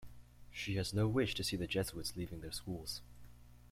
She has no wish to see the Jesuits leaving their schools.